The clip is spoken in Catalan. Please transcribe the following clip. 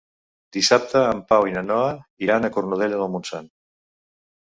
Dissabte en Pau i na Noa iran a Cornudella de Montsant.